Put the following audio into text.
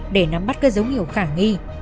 để nắm bắt các dấu hiệu khả nghi